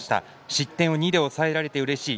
失点を２で抑えられてうれしい。